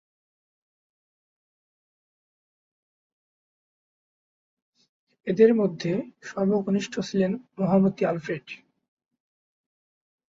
এঁদের মধ্যে সর্বকনিষ্ঠ ছিলেন মহামতি অ্যালফ্রেড।